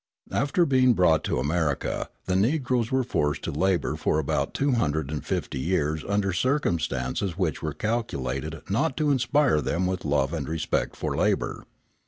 After being brought to America, the Negroes were forced to labour for about 250 years under circumstances which were calculated not to inspire them with love and respect for labour.